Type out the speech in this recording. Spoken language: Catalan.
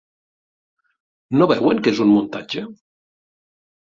No veuen que és un muntatge?